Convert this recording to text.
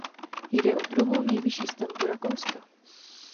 Jde o druhou nejvyšší stavbu Rakouska.